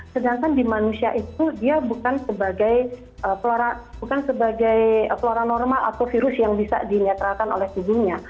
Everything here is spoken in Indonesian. sedangkan di manusia itu dia bukan sebagai flora normal atau virus yang bisa dinetralkan oleh tubuhnya